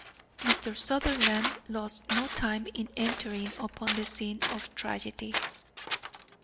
Mr. Sutherland lost no time in entering upon the scene of tragedy.